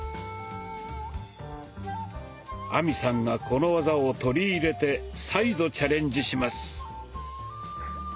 亜美さんがこの技を取り入れて再度チャレンジします。